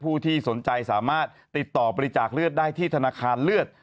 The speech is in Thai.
ที่สนใจสามารถติดต่อบริจาคเลือดได้ที่ธนาคารเลือด